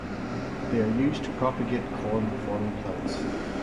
They are used to propagate corm-forming plants.